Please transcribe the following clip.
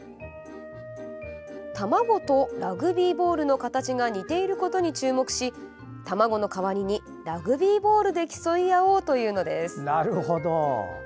卵とラグビーボールの形が似ていることに注目し卵の代わりにラグビーボールで競い合おうというのです。